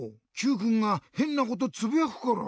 Ｑくんがへんなことつぶやくから。